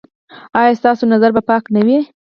ایا ستاسو نظر به پاک نه وي؟